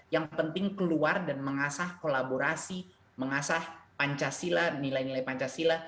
yang penting keluar dan mengasah kolaborasi mengasah pancasila nilai nilai pancasila